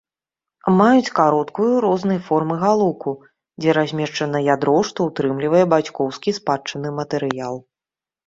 Маюць кароткую, рознай формы галоўку, дзе размешчана ядро, што ўтрымлівае бацькоўскі спадчынны матэрыял.